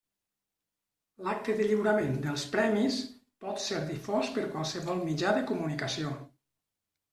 L'acte de lliurament dels Premis pot ser difós per qualsevol mitjà de comunicació.